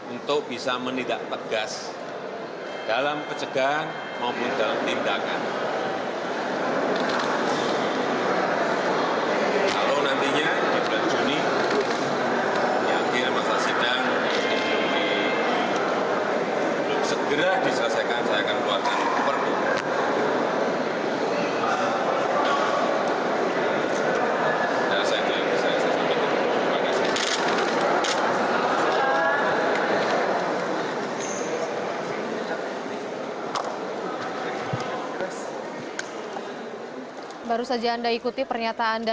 untuk bisa menindak tegas dalam kecedahan maupun dalam tindakan